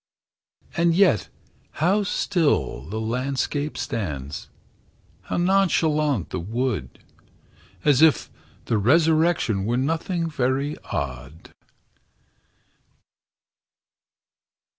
And yet how still the landscape stands, How nonchalant the wood, As if the resurrection Were nothing very odd!